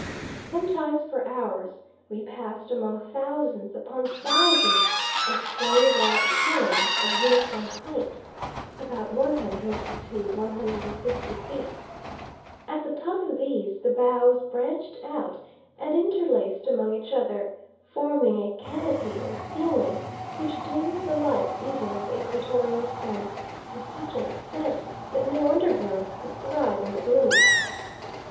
Sometimes for hours we passed among thousands upon thousands of gray white columns of uniform height (about 100 150 feet); at the top of these the boughs branched out and interlaced among each other, forming a canopy or ceiling, which dimmed the light even of the equatorial sun to such an extent that no undergrowth could thrive in the gloom.